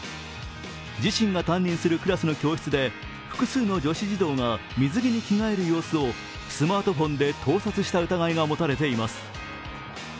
自身が担任するクラスの教室で複数の女子児童が水着に着替える様子をスマートフォンで盗撮した疑いが持たれています。